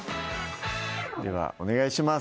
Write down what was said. ではお願いします